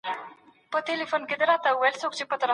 په کندهار کي کوم ډول صنعتونه ډېر دي؟